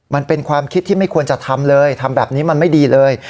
มันเป็นความคิดที่ไม่ควรจะทำเลยทำแบบนี้มันไม่ดีเลย